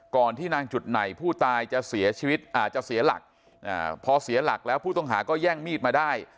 ก่อนที่นางจุดไหนผู้ตายจะเสียหลักพอเสียหลักแล้วผู้ต้องหาก็แย่งมีดมาได้